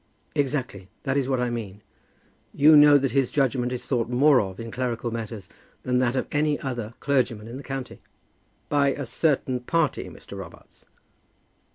"Exactly; that is what I mean. You know that his judgment is thought more of in clerical matters than that of any other clergyman in the county." "By a certain party, Mr. Robarts."